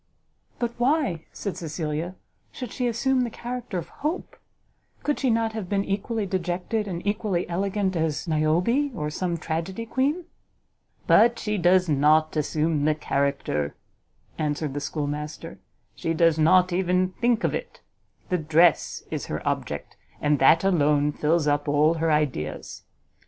"But why," said Cecilia, "should she assume the character of Hope? Could she not have been equally dejected and equally elegant as Niobe, or some tragedy queen?" "But she does not assume the character," answered the schoolmaster, "she does not even think of it: the dress is her object, and that alone fills up all her ideas.